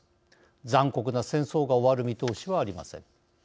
残酷な戦争が終わる見通しはありません。